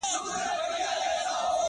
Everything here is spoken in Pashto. ده هم آس كړ پسي خوشي په ځغستا سو؛